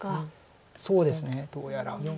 そうですねどうやら。